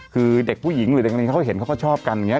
คือเด็กผู้หญิงหรือเด็กเขาเห็นเขาก็ชอบกันอย่างนี้